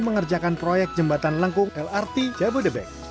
mengerjakan proyek jembatan lengkung lrt jabodebek